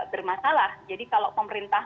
bermasalah jadi kalau pemerintah